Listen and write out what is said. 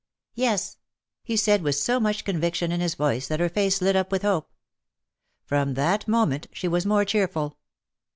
"Yes," he said with so much conviction in his voice that her face lit up with hope. From that moment she was more cheer ful.